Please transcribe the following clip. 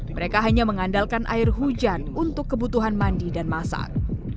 mereka hanya mengandalkan air hujan untuk kebutuhan mandi dan masak